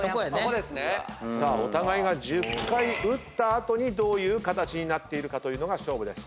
お互いが１０回打った後にどういう形になっているかというのが勝負です。